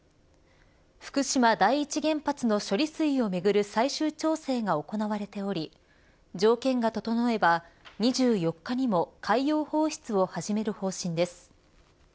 福島第一原発の処理水をめぐる最終調整が行われており条件が整えば、２４日にも海洋放出を始める方針です。